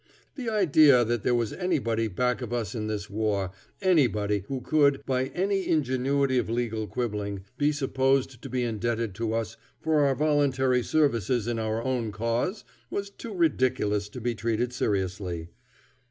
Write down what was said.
The idea that there was anybody back of us in this war anybody who could, by any ingenuity of legal quibbling, be supposed to be indebted to us for our voluntary services in our own cause was too ridiculous to be treated seriously.